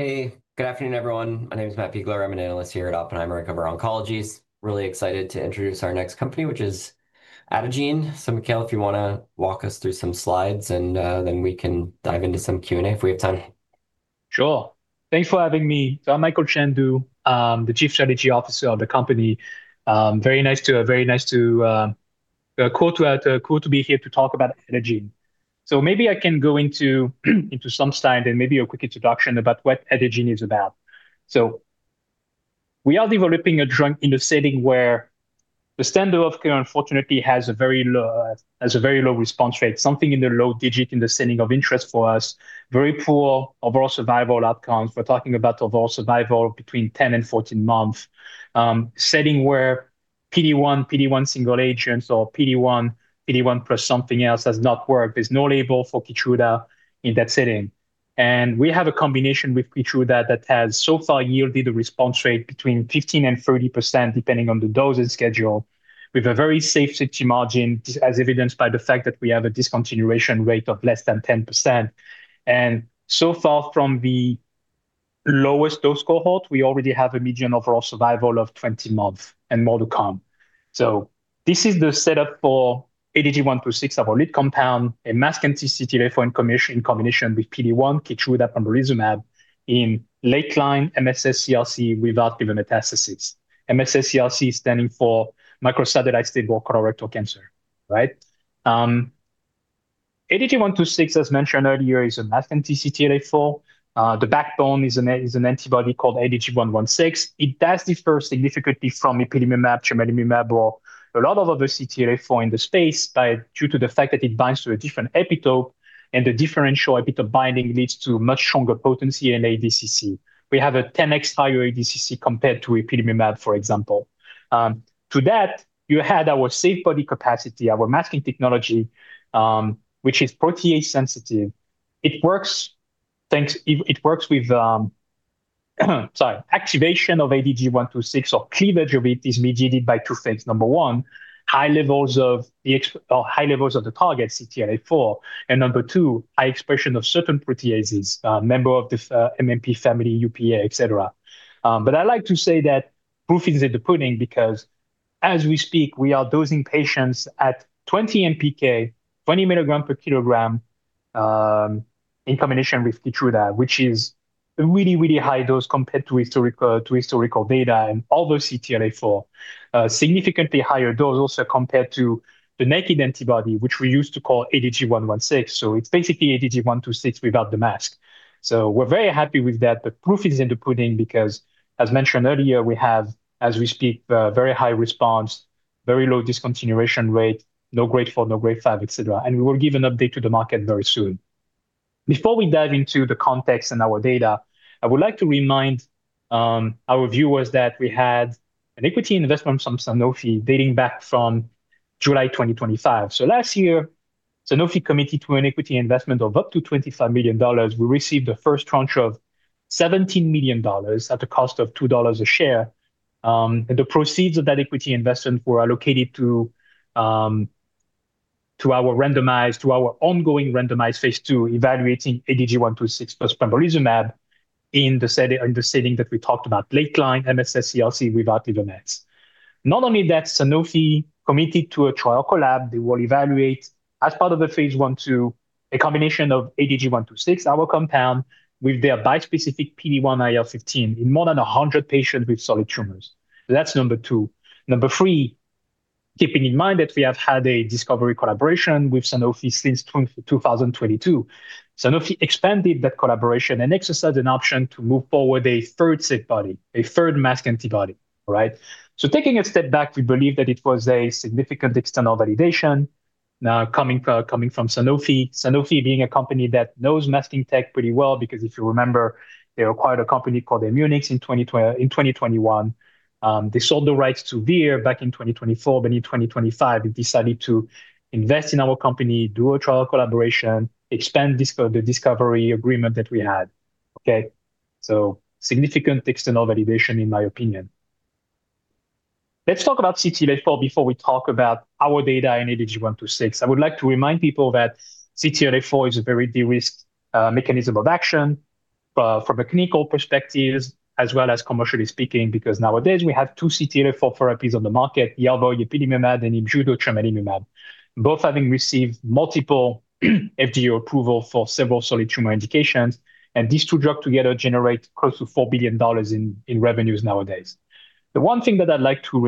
Hey, good afternoon, everyone. My name is Matt Biegler. I'm an analyst here at Oppenheimer and cover oncologies. Really excited to introduce our next company, which is Adagene. Mickael, if you wanna walk us through some slides, and then we can dive into some Q&A if we have time. Sure. Thanks for having me. I'm Mickael Chane-Du, the Chief Strategy Officer of the company. Cool to be here to talk about Adagene. Maybe I can go into some slide and maybe a quick introduction about what Adagene is about. We are developing a drug in the setting where the standard of care, unfortunately, has a very low response rate, something in the low digit in the setting of interest for us. Very poor overall survival outcomes. We're talking about overall survival between 10 and 14 months. Setting where PD-1 single agent or PD-1 plus something else has not worked. There's no label for KEYTRUDA in that setting. We have a combination with KEYTRUDA that has so far yielded a response rate between 15% and 30%, depending on the dosage schedule, with a very safe safety margin, as evidenced by the fact that we have a discontinuation rate of less than 10%. So far from the lowest dose cohort, we already have a median overall survival of 20 months and more to come. This is the setup for ADG126, our lead compound, a masked anti-CTLA-4 in combination with PD-1, KEYTRUDA (pembrolizumab) in late-line MSS-CRC without liver metastases. MSS-CRLC standing for microsatellite stable colorectal cancer, right? ADG126, as mentioned earlier, is a masked anti-CTLA-4. The backbone is an antibody called ADG116. It does differ significantly from ipilimumab, tremelimumab, or a lot of other CTLA-4 in the space due to the fact that it binds to a different epitope, and the differential epitope binding leads to much stronger potency and ADCC. We have a 10x higher ADCC compared to ipilimumab, for example. To that, you had our SAFEbody capacity, our masking technology, which is protease sensitive. It works with, sorry. Activation of ADG126 or cleavage of it is mediated by two things. Number one, high levels of the target CTLA-4, and number two, high expression of certain proteases, member of the MMP family, UPA, et cetera. I like to say that proof is in the pudding because, as we speak, we are dosing patients at 20 MPK, 20 milligram per kilogram, in combination with KEYTRUDA, which is a really, really high dose compared to historical data and other CTLA-4. Significantly higher dose also compared to the naked antibody, which we used to call ADG116. It's basically ADG126 without the mask. We're very happy with that, proof is in the pudding because, as mentioned earlier, we have, as we speak, very high response, very low discontinuation rate, no grade 4, no grade 5, et cetera, and we will give an update to the market very soon. Before we dive into the context and our data, I would like to remind our viewers that we had an equity investment from Sanofi dating back from July 2025. Last year, Sanofi committed to an equity investment of up to $25 million. We received the first tranche of $17 million at the cost of $2 a share. The proceeds of that equity investment were allocated to our ongoing randomized phase 2, evaluating ADG-126 plus pembrolizumab in the setting that we talked about, late-line MSS-CRC without liver mets. Not only that, Sanofi committed to a trial collab, they will evaluate, as part of the phase 1, 2, a combination of ADG-126, our compound, with their bispecific PD-1 IL-15 in more than 100 patients with solid tumors. That's number 2. Number 3, keeping in mind that we have had a discovery collaboration with Sanofi since 2022. Sanofi expanded that collaboration and exercised an option to move forward a third SAFEbody, a third masked antibody. All right? Taking a step back, we believe that it was a significant external validation, coming from Sanofi. Sanofi being a company that knows masking tech pretty well, because if you remember, they acquired a company called Amunix in 2021. They sold the rights to Vir back in 2024, but in 2025, they decided to invest in our company, do a trial collaboration, expand this discovery agreement that we had. Okay, significant external validation, in my opinion. Let's talk about CTLA-4 before we talk about our data in ADG-126. I would like to remind people that CTLA-4 is a very de-risked mechanism of action from a clinical perspective as well as commercially speaking, because nowadays we have two CTLA-4 therapies on the market, Yervoy, (ipilimumab), and Imjudo (tremelimumab), both having received multiple FDA approval for several solid tumor indications, and these two drugs together generate close to $4 billion in revenues nowadays. The one thing that I'd like to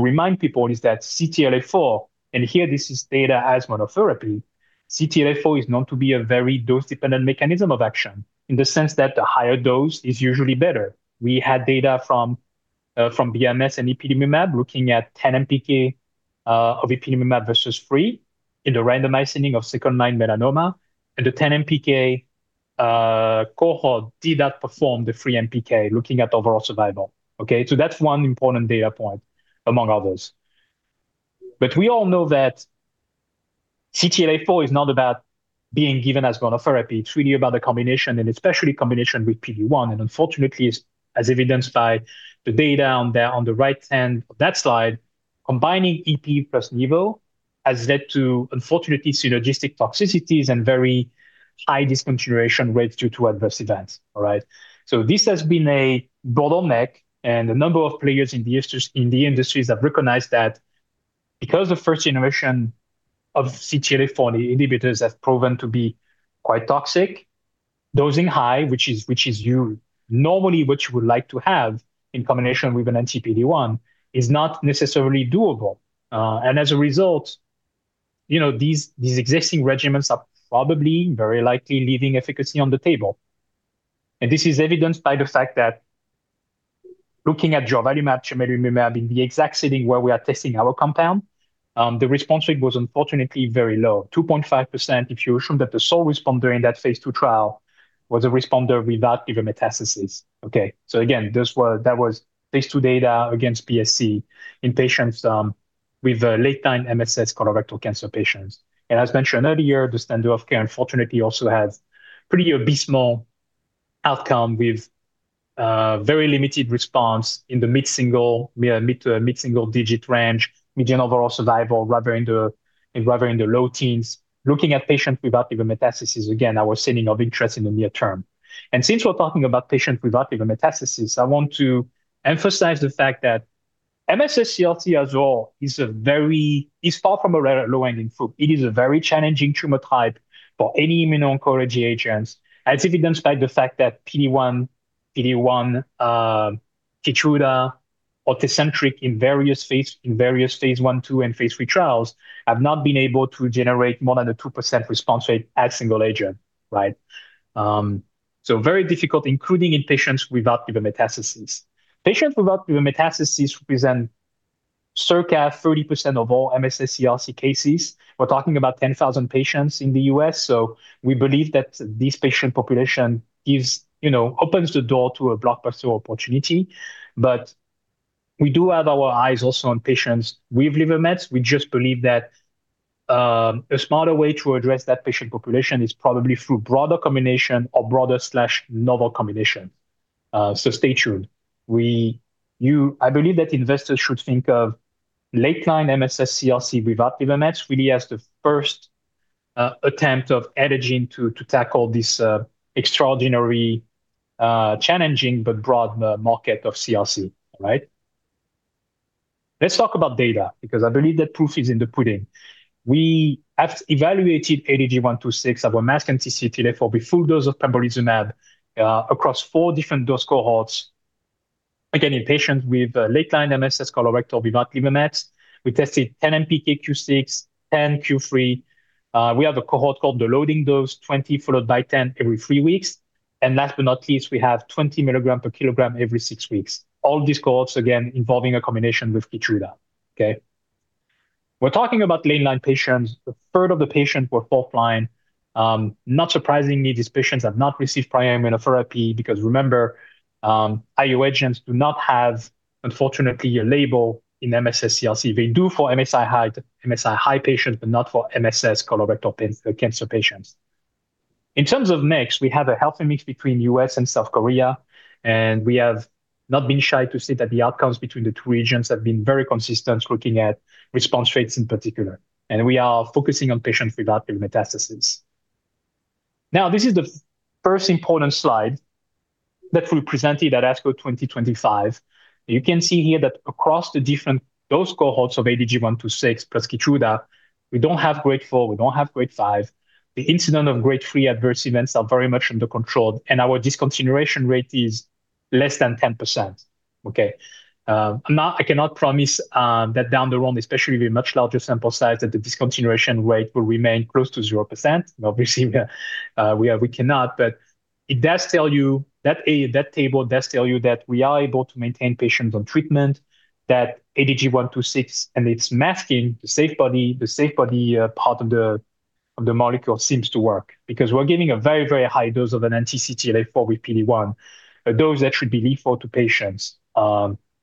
remind people is that CTLA-4, and here, this is data as monotherapy. CTLA-4 is known to be a very dose-dependent mechanism of action, in the sense that the higher dose is usually better. We had data from BMS and ipilimumab, looking at 10 MPK of ipilimumab versus 3 in the randomized setting of second-line melanoma, and the 10 MPK cohort did outperform the 3 MPK, looking at overall survival. That's 1 important data point, among others. We all know that CTLA-4 is not about being given as monotherapy. It's really about the combination and especially combination with PD-1, and unfortunately, as evidenced by the data on the right-hand of that slide. Combining EP plus Nivo has led to, unfortunately, synergistic toxicities and very high discontinuation rates due to adverse events, all right? This has been a bottleneck, and a number of players in the industries have recognized that because the 1st generation of CTLA-4 inhibitors have proven to be quite toxic, dosing high, which is normally what you would like to have in combination with an anti-PD-1, is not necessarily doable. As a result, you know, these existing regimens are probably very likely leaving efficacy on the table. This is evidenced by the fact that looking at bevacizumab, tremelimumab in the exact setting where we are testing our compound, the response rate was unfortunately very low, 2.5%, if you assume that the sole responder in that phase 2 trial was a responder without liver metastasis, okay? Again, that was phase 2 data against PSC in patients with late-line MSS colorectal cancer patients. As mentioned earlier, the standard of care unfortunately also has pretty abysmal outcome, with very limited response in the mid-single to mid-single digit range, median overall survival, rather in the low teens. Looking at patients without liver metastasis, again, our setting of interest in the near term. Since we're talking about patients without liver metastasis, I want to emphasize the fact that MSS-CRC as well is far from a rare low-hanging fruit. It is a very challenging tumor type for any immuno-oncology agents, as evidenced by the fact that PD-1, Keytruda or Tecentriq in various phase 1, 2, and 3 trials, have not been able to generate more than a 2% response rate as single agent, right? Very difficult, including in patients without liver metastasis. Patients without liver metastasis represent circa 30% of all MSS-CRC cases. We're talking about 10,000 patients in the US, so we believe that this patient population gives, you know, opens the door to a blockbuster opportunity. We do have our eyes also on patients with liver mets. We just believe that a smarter way to address that patient population is probably through broader combination or broader/novel combination. Stay tuned. I believe that investors should think of late-line MSS-CRC without liver mets, really, as the first attempt of Adagene to tackle this extraordinary challenging but broad market of CRC. All right? Let's talk about data, because I believe that proof is in the pudding. We have evaluated ADG126, our masked anti-CTLA-4, with full dose of pembrolizumab across 4 different dose cohorts. Again, in patients with late-line MSS colorectal without liver mets, we tested 10 mpk Q6W, 10 Q3W. We have a cohort called the loading dose, 20 followed by 10 every 3 weeks. Last but not least, we have 20 milligram per kilogram every 6 weeks. All these cohorts, again, involving a combination with KEYTRUDA. Okay? We're talking about late-line patients. A third of the patients were fourth-line. Not surprisingly, these patients have not received prior immunotherapy, because, remember, IO agents do not have, unfortunately, a label in MSS-CRC. They do for MSI-H, MSI-H patients, but not for MSS colorectal cancer patients. In terms of mix, we have a healthy mix between U.S. and South Korea, we have not been shy to say that the outcomes between the two regions have been very consistent, looking at response rates in particular. We are focusing on patients without liver metastasis. Now, this is the first important slide that we presented at ASCO 2025. You can see here that across the different dose cohorts of ADG126 plus KEYTRUDA, we don't have grade 4, we don't have grade 5. The incident of grade three adverse events are very much under control, our discontinuation rate is less than 10%. Okay, I cannot promise that down the road, especially with a much larger sample size, that the discontinuation rate will remain close to 0%. Obviously, we cannot. It does tell you that that table does tell you that we are able to maintain patients on treatment, that ADG126 and its masking the SAFEbody part of the molecule seems to work. We're giving a very, very high dose of an anti-CTLA-4 with PD-1, a dose that should be lethal to patients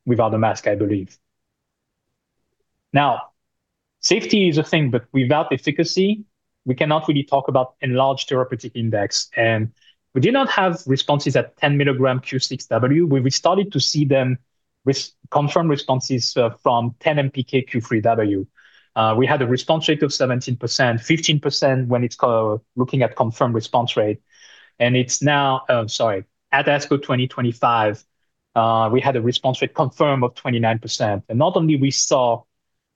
without a mask, I believe. Safety is a thing, but without efficacy, we cannot really talk about enlarged therapeutic index. We do not have responses at 10 milligram Q6W, where we started to see them with confirmed responses from 10 MPK Q3W. We had a response rate of 17%, 15% when it's looking at confirmed response rate. At ASCO 2025, we had a response rate confirmed of 29%. Not only we saw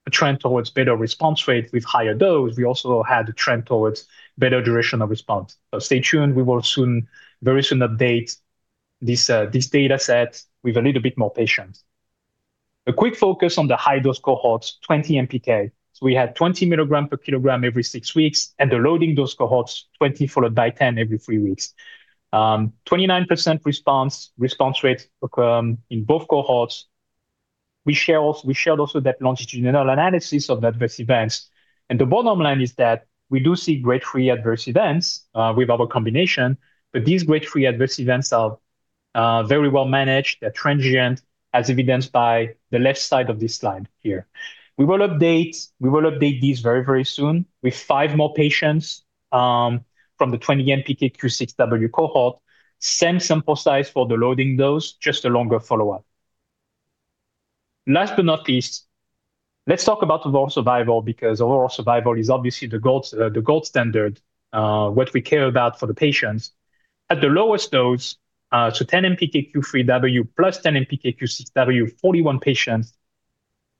a trend towards better response rate with higher dose, we also had a trend towards better duration of response. Stay tuned, we will soon, very soon update this data set with a little bit more patients. A quick focus on the high-dose cohorts, 20 MPK. We had 20 milligram per kilogram every 6 weeks, and the loading dose cohorts, 20 followed by 10 every 3 weeks. 29% response rate in both cohorts. We shared also that longitudinal analysis of adverse events. The bottom line is that we do see grade 3 adverse events with our combination, but these grade 3 adverse events are very well managed. They're transient, as evidenced by the left side of this slide here. We will update these very, very soon with 5 more patients from the 20 MPK Q6W cohort. Same sample size for the loading dose, just a longer follow-up.... Last but not least, let's talk about overall survival, because overall survival is obviously the gold standard, what we care about for the patients. At the lowest dose, so 10 NPK Q3W plus 10 NPK Q6W, 41 patients,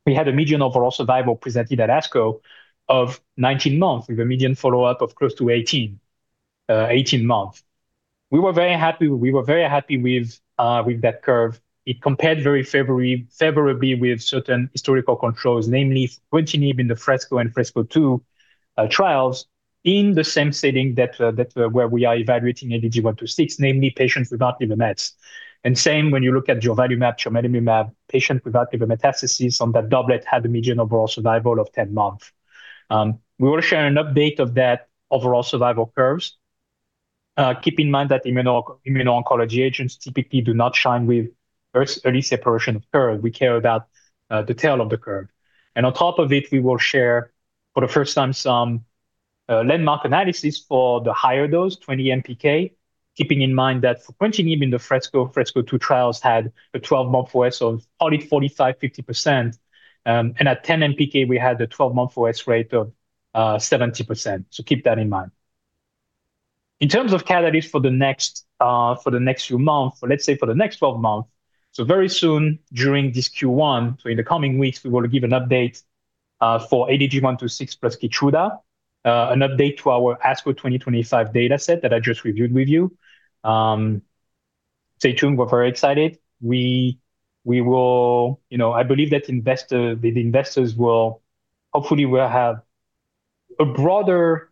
we had a median overall survival presented at ASCO of 19 months, with a median follow-up of close to 18 months. We were very happy with that curve. It compared very favorably with certain historical controls, namely Fruquintinib in the FRESCO and FRESCO-2 trials in the same setting that where we are evaluating ADG126, namely patients without liver mets. Same when you look at bevacizumab, tremelimumab, patient without liver metastasis on that doublet had a median overall survival of 10 months. We will share an update of that overall survival curves. Keep in mind that immuno-oncology agents typically do not shine with very early separation of curve. We care about the tail of the curve, and on top of it, we will share, for the first time, some landmark analysis for the higher dose, 20 MPK. Keeping in mind that for Fruquintinib in the FRESCO-2 trials had a 12-month OS of only 45%-50%, and at 10 MPK, we had a 12-month OS rate of 70%, so keep that in mind. In terms of catalyst for the next for the next few months, or let's say for the next 12 months, so very soon, during this Q1, so in the coming weeks, we will give an update for ADG126 plus KEYTRUDA, an update to our ASCO 2025 dataset that I just reviewed with you. Stay tuned. We're very excited. We will... You know, I believe that the investors will hopefully have a broader,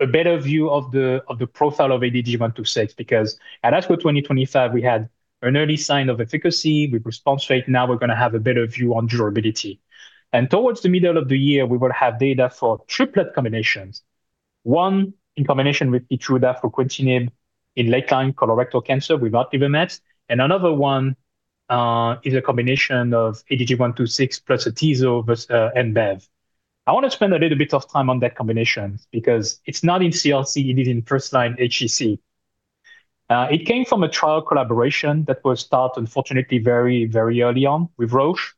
a better view of the profile of ADG126, because at ASCO 2025, we had an early sign of efficacy with response rate. Now we're gonna have a better view on durability. Towards the middle of the year, we will have data for triplet combinations, one in combination with KEYTRUDA for Fruquintinib in late-line colorectal cancer without liver mets, and another one is a combination of ADG126 plus atezolizumab versus and bevacizumab. I want to spend a little bit of time on that combination because it's not in CLC, it is in first-line HCC. It came from a trial collaboration that was started, unfortunately, very early on with Roche.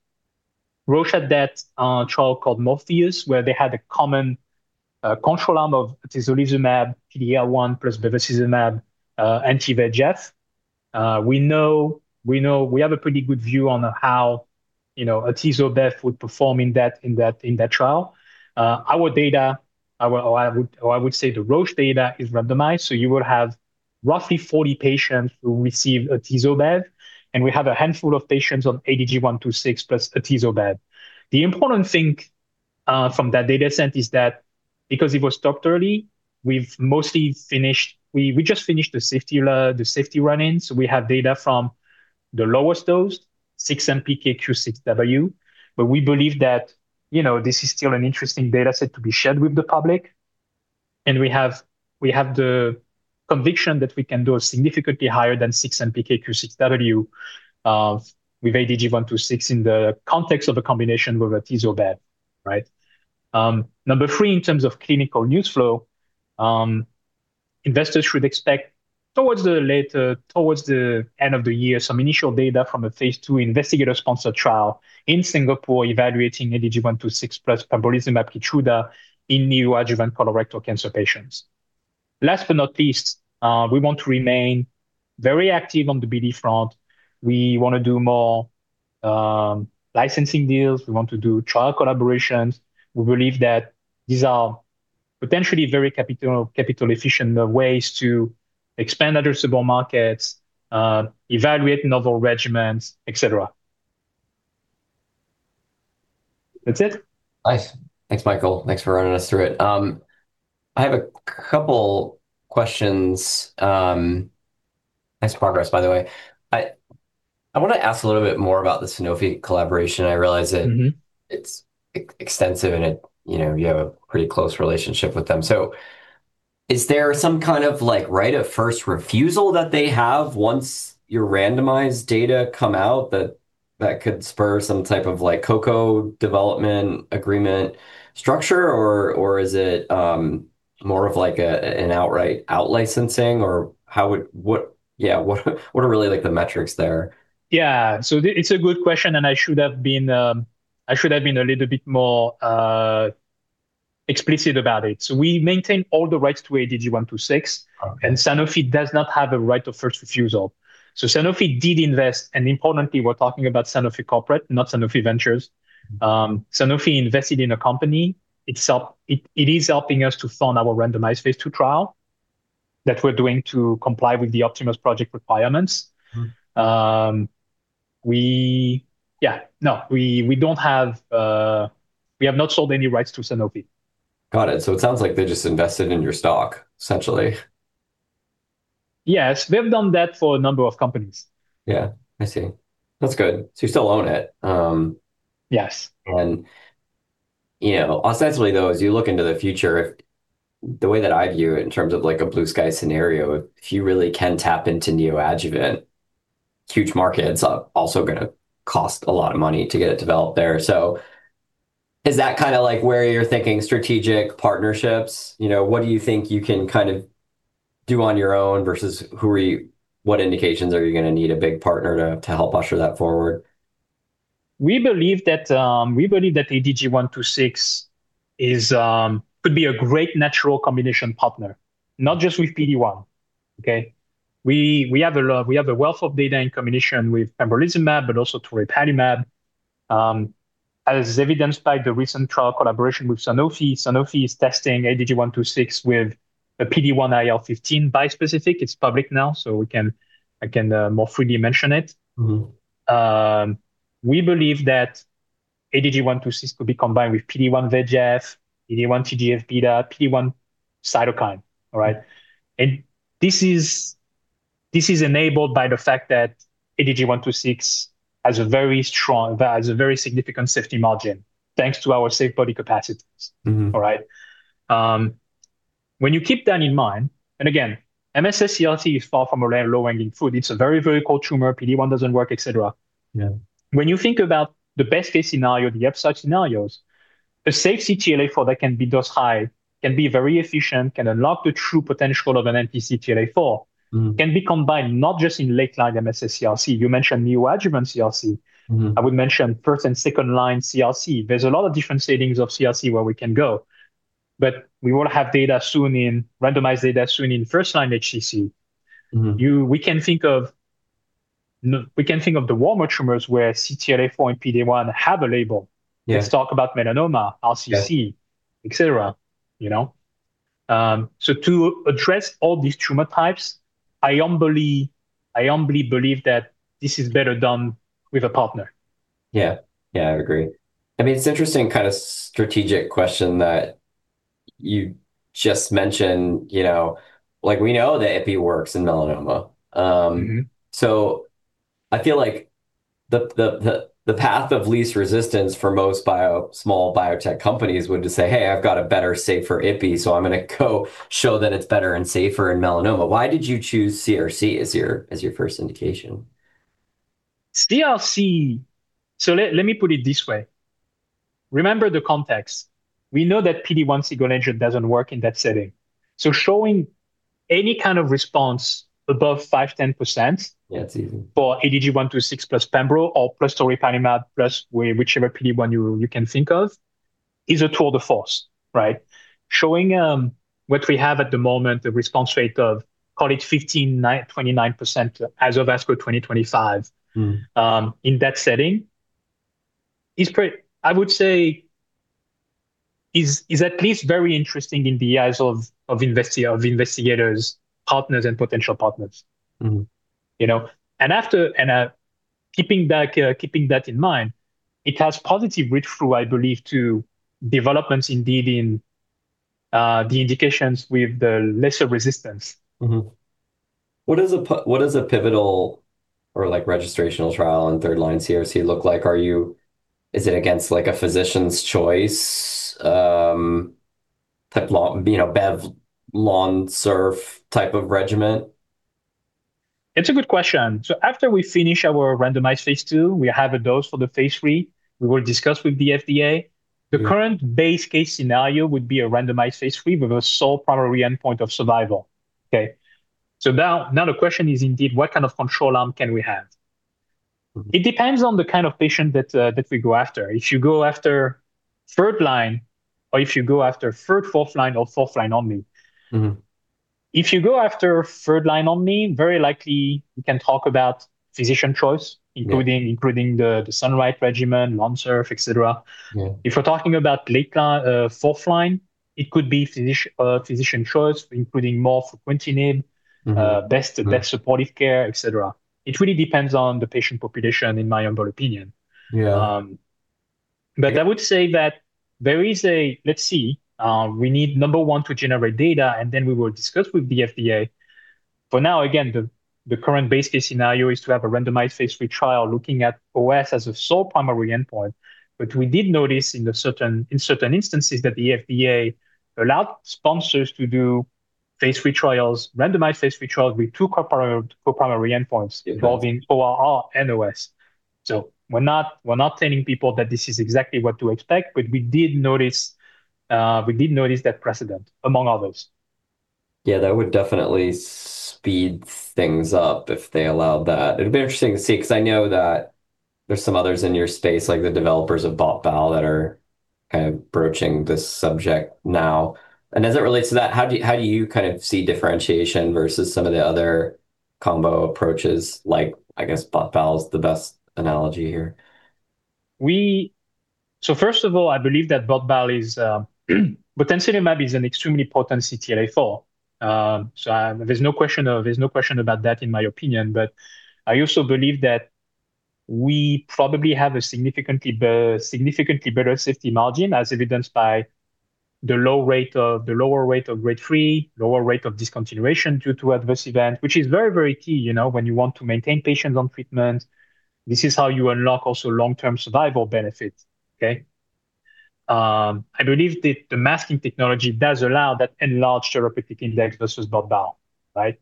Roche had that trial called Morpheus, where they had a common control arm of atezolizumab, PD-L1, plus bevacizumab, anti-VEGF. We know we have a pretty good view on how, you know, Atezolbev would perform in that trial. Our data, or I would say the Roche data is randomized, so you will have roughly 40 patients who receive Atezolbev, and we have a handful of patients on ADG126 plus Atezolbev. The important thing from that dataset is that because it was stopped early, We just finished the safety run-in, so we have data from the lowest dose, 6 MPK Q6W. We believe that, you know, this is still an interesting dataset to be shared with the public, and we have the conviction that we can do a significantly higher than 6 MPK Q6W with ADG126 in the context of a combination with Atezolbev, right? Number 3, in terms of clinical news flow, investors should expect towards the end of the year, some initial data from a phase 2 investigator-sponsored trial in Singapore, evaluating ADG126 plus pembrolizumab KEYTRUDA in neoadjuvant colorectal cancer patients. Last but not least, we want to remain very active on the BD front. We want to do more licensing deals. We want to do trial collaborations. We believe that these are potentially very capital-efficient ways to expand addressable markets, evaluate novel regimens, et cetera. That's it. Nice. Thanks, Mickael. Thanks for running us through it. I have a couple questions. Nice progress, by the way. I want to ask a little bit more about the Sanofi collaboration. I realize that. Mm-hmm... it's extensive, and it, you know, you have a pretty close relationship with them. Is there some kind of, like, right of first refusal that they have once your randomized data come out, that could spur some type of, like, co-development agreement structure, or is it more of like a, an outright out-licensing? Yeah, what are really like, the metrics there? Yeah. It's a good question, and I should have been a little bit more explicit about it. We maintain all the rights to ADG126. Okay... and Sanofi does not have a right of first refusal. Sanofi did invest, and importantly, we're talking about Sanofi corporate, not Sanofi Ventures. Mm-hmm. Sanofi invested in a company. It is helping us to fund our randomized phase 2 trial that we're doing to comply with the Optimus Project requirements. Mm-hmm. Yeah, no, we don't have, we have not sold any rights to Sanofi. Got it. It sounds like they just invested in your stock, essentially. Yes. They've done that for a number of companies. Yeah, I see. That's good. You still own it? Yes. You know, ostensibly, though, as you look into the future, the way that I view it, in terms of, like, a blue sky scenario, if you really can tap into neoadjuvant, huge markets are also gonna cost a lot of money to get it developed there. Is that kind of, like, where you're thinking strategic partnerships? You know, what do you think you can kind of do on your own versus what indications are you gonna need a big partner to help usher that forward? We believe that ADG126 is could be a great natural combination partner, not just with PD-1, okay? We have a lot, we have a wealth of data in combination with pembrolizumab, but also toripalimab. As evidenced by the recent trial collaboration with Sanofi. Sanofi is testing ADG126 with a PD-1 IL-15 bispecific. It's public now, so we can, I can more freely mention it. Mm-hmm. We believe that ADG-126 could be combined with PD-1 VEGF, PD-1 TGF-β, PD-1 cytokine. All right? This is enabled by the fact that ADG-126 has a very strong, has a very significant safety margin, thanks to our SAFEbody capacities. Mm-hmm. All right? When you keep that in mind, and again, MSS-CRC is far from a low-hanging fruit, it's a very, very cold tumor, PD-1 doesn't work, et cetera. Yeah. When you think about the best-case scenario, the upside scenarios, a safe CTLA-4 that can be dosed high, can be very efficient, can unlock the true potential of an anti-CTLA-4. Mm. can be combined not just in late-line MSS-CRC. You mentioned neoadjuvant CRC. Mm-hmm. I would mention first and second-line CRC. There's a lot of different settings of CRC where we can go. We will have randomized data soon in first-line HCC. Mm-hmm. We can think of the warmer tumors where CTLA-4 and PD-1 have a label. Yeah. Let's talk about melanoma, RCC. Yeah et cetera, you know? To address all these tumor types, I humbly believe that this is better done with a partner. Yeah. Yeah, I agree. I mean, it's interesting kind of strategic question that you just mentioned, you know, like, we know that IPI works in melanoma. Mm-hmm. I feel like the path of least resistance for most small biotech companies would just say, "Hey, I've got a better, safer IPI, so I'm gonna go show that it's better and safer in melanoma." Why did you choose CRC as your first indication? Let me put it this way. Remember the context. We know that PD-1 single agent doesn't work in that setting, so showing any kind of response above 5%, 10%. Yeah, it's easy.... for ADG126 plus pembro or plus toripalimab plus whichever PD-1 you can think of, is a tour de force, right? Showing what we have at the moment, the response rate of, call it 15, 9, 29% as of ASCO 2025. Mm In that setting, I would say, is at least very interesting in the eyes of investigators, partners, and potential partners. Mm-hmm. You know, keeping that in mind, it has positive reach-through, I believe, to developments indeed in the indications with the lesser resistance. Mm-hmm. What is a pivotal or, like, registrational trial in third-line CRC look like? Is it against, like, a physician's choice, you know, bev, Lonsurf type of regimen? It's a good question. After we finish our randomized phase 2, we have a dose for the phase 3. We will discuss with the FDA. Mm. The current base case scenario would be a randomized phase 3 with a sole primary endpoint of survival, okay? Now the question is, indeed, what kind of control arm can we have? Mm-hmm. It depends on the kind of patient that we go after. If you go after third line, or if you go after third/fourth line or fourth line only. Mm-hmm. If you go after third line only, very likely we can talk about physician choice. Yeah... including the SUNLIGHT regimen, Lonsurf, et cetera. Yeah. If we're talking about late line, fourth line, it could be physician choice, including more frequent. Mm-hmm... best supportive care, et cetera. It really depends on the patient population, in my humble opinion. Yeah. I would say that we need, number 1, to generate data, and then we will discuss with the FDA. For now, again, the current base case scenario is to have a randomized phase 3 trial looking at OS as a sole primary endpoint. We did notice in certain instances that the FDA allowed sponsors to do phase 3 trials, randomized phase 3 trials with two co-primary endpoints. Mm-hmm involving ORR and OS. We're not telling people that this is exactly what to expect, we did notice that precedent, among others. Yeah, that would definitely speed things up if they allowed that. It'd be interesting to see, 'cause I know that there's some others in your space, like the developers of BOT/BAL, that are kind of broaching this subject now. As it relates to that, how do you kind of see differentiation versus some of the other combo approaches, like, I guess BOT/BAL is the best analogy here? First of all, I believe that BOT/BAL is Botensilimab is an extremely potent CTLA-4. There's no question about that, in my opinion. I also believe that we probably have a significantly better safety margin, as evidenced by the lower rate of grade 3, lower rate of discontinuation due to adverse event. Which is very key, you know, when you want to maintain patients on treatment, this is how you unlock also long-term survival benefits, okay? I believe the masking technology does allow that enlarged therapeutic index versus BOT/BAL, right?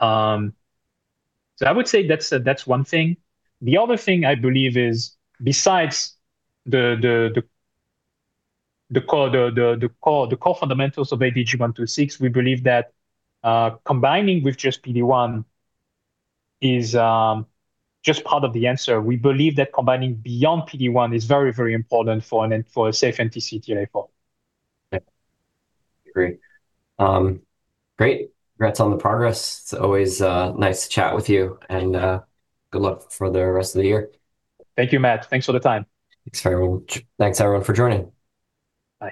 I would say that's 1 thing. The other thing I believe is, besides the core fundamentals of ADG126, we believe that combining with just PD-1 is just part of the answer. We believe that combining beyond PD-1 is very important for a safe anti-CTLA-4. Okay. Great. Great. Congrats on the progress. It's always nice to chat with you, and good luck for the rest of the year. Thank you, Matt. Thanks for the time. Thanks, everyone. Thanks, everyone, for joining. Bye.